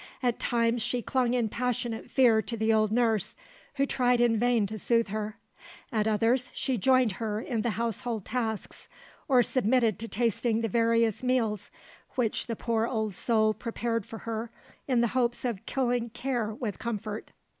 At times she clung in passionate fear to the old nurse, who tried in vain to soothe her; at others she joined her in the household tasks, or submitted to tasting the various meals which the poor old soul prepared for her in the hopes of killing care with comfort.